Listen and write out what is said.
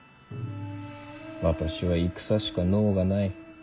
私は戦しか能がない。